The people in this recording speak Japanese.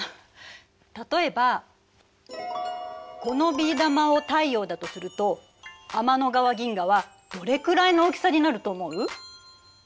例えばこのビー玉を太陽だとすると天の川銀河はどれくらいの大きさになると思う？